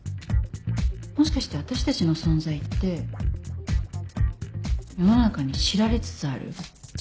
もしかして私たちの存在って世の中に知られつつある？